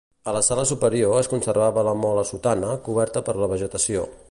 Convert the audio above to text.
A la sala superior es conservava la mola sotana, coberta per la vegetació.